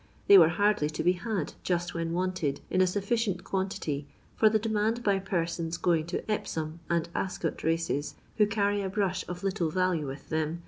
They were hardly to be had just when wanted, in a sufficient quantity, for the demand by persons going to Epsom and Ascot races, who carry a brush of little value with them.